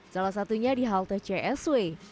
salah satunya di halte csw